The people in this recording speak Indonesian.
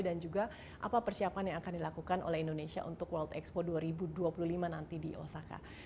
dan juga apa persiapan yang akan dilakukan oleh indonesia untuk world expo dua ribu dua puluh lima nanti di osaka